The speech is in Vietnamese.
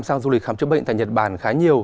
sang du lịch khám chữa bệnh tại nhật bản khá nhiều